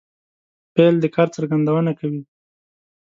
فعل د کار څرګندونه کوي.